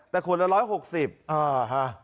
แต่ขวดละ๑๖๐บาท